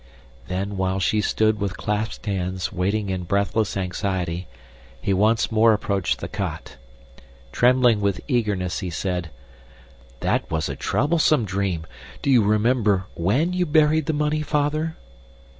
Then, while she stood with clasped hands waiting in breathless anxiety, he once more approached the cot. Trembling with eagerness he said, "That was a troublesome dream. Do you remember WHEN you buried the money, Father?"